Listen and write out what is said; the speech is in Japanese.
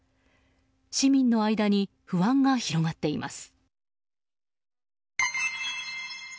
市民の間に不安が広がっています。